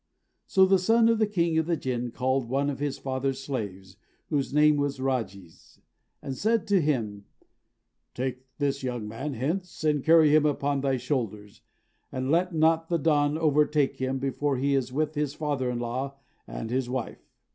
So the son of the king of the Jinn called one of his father's slaves, whose name was Rájiz, and said to him, "Take this young man hence, and carry him upon thy shoulders, and let not the dawn overtake him before he is with his father in law and his wife."